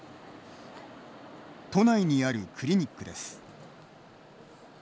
都内にあるクリニックです。